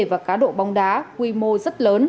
và cá độ bóng đá quy mô rất lớn